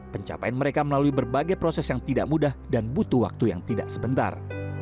pencapaian mereka melalui berbagai proses yang tidak mudah dan butuh waktu yang tidak sebentar